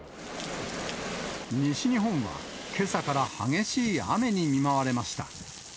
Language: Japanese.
西日本はけさから激しい雨に見舞われました。